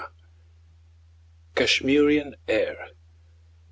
(CASHMERIAN AIR.)